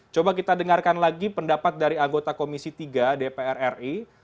coba kita dengarkan lagi pendapat dari anggota komisi tiga dpr ri